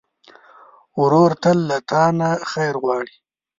ورور تل له تا نه خیر غواړي.